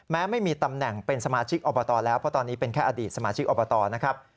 ไม่มีตำแหน่งเป็นสมาชิกอบตแล้วเพราะตอนนี้เป็นแค่อดีตสมาชิกอบตนะครับ